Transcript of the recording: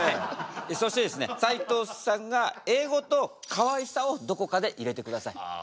そしてですね斉藤さんが英語とかわいさをどこかで入れてください。